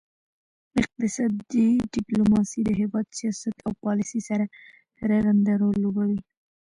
اقتصادي ډیپلوماسي د هیواد سیاست او پالیسي سره رغند رول لوبوي